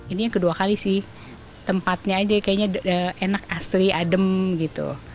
ini yang kedua kali sih tempatnya aja kayaknya enak asli adem gitu